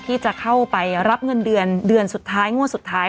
ที่จะเข้าไปรับเงินเดือนเดือนสุดท้ายงวดสุดท้าย